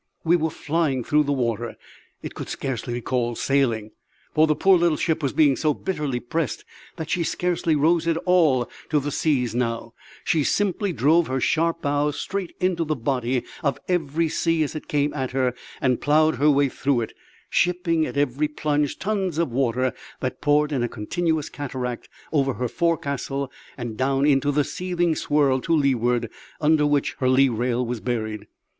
We were flying through the water it could scarcely be called sailing for the poor little ship was being so bitterly pressed that she scarcely rose at all to the seas now; she simply drove her sharp bows straight into the body of every sea as it came at her and ploughed her way through it, shipping at every plunge tons of water that poured in a continuous cataract over her forecastle and down into the seething swirl to leeward under which her lee rail was buried.